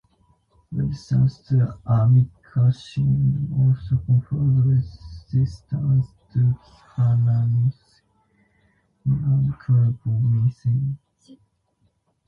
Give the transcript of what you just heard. Resistance to amikacin also confers resistance to kanamycin and capreomycin.